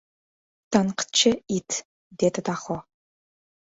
— Tanqidchi — it! — dedi Daho.